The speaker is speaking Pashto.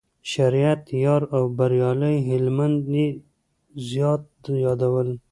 شریعت یار او بریالي هلمند یې زیات یادول.